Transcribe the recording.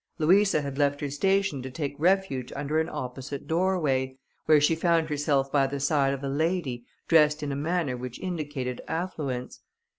Louisa had left her station to take refuge under an opposite doorway, where she found herself by the side of a lady, dressed in a manner which indicated affluence.